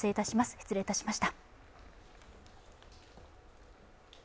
失礼いたしました。